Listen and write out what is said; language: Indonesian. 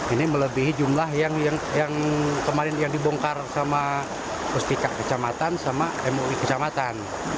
ini melebihi jumlah yang kemarin dibongkar sama pusat pika kecamatan sama mui kecamatan